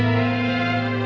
oke sampai jumpa